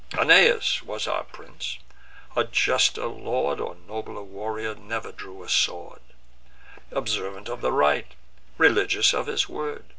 Aeneas was our prince: a juster lord, Or nobler warrior, never drew a sword; Observant of the right, religious of his word.